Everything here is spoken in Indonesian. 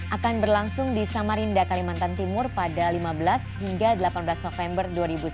akan berlangsung di samarinda kalimantan timur pada lima belas hingga delapan belas november dua ribu sembilan belas